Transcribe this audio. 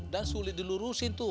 dan sulit dilurusin tuh